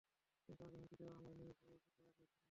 কিন্তু আগে হুমকি দেওয়ায় আমার মেয়ে ভয়ে যেতে রাজি হচ্ছিল না।